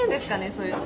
そういうの。